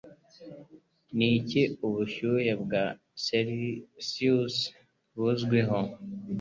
Niki Ubushyuhe bwa Celcius buzwiho ?